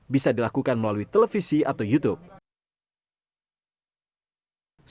bisa dilakukan melalui televisi atau youtube